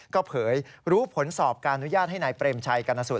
ก็เผยรู้ผลสอบการอนุญาตให้นายเตรียมชัยกรรมนัสสุด